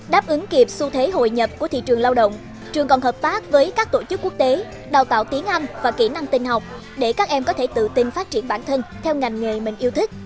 đáp ứng kịp xu thế hội nhập của thị trường lao động trường còn hợp tác với các tổ chức quốc tế đào tạo tiếng anh và kỹ năng tình học để các em có thể tự tin phát triển bản thân theo ngành nghề mình yêu thích